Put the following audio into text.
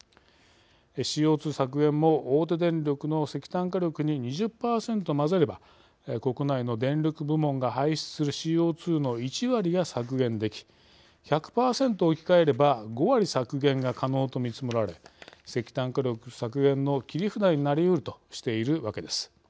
ＣＯ２削減も大手電力の石炭火力に２０％混ぜれば国内の電力部門が排出するＣＯ２の１割が削減でき１００％置き換えれば５割削減が可能と見積もられ石炭火力削減の切り札になりうるとしているわけです。